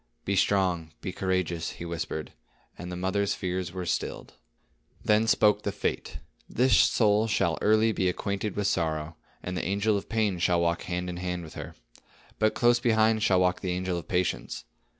"Be strong, be courageous," he whispered; and the mother's fears were stilled. Then spoke the Fate: "This soul shall early be acquainted with sorrow; and the angel of pain shall walk hand in hand with her. But close beside shall walk the angel of patience.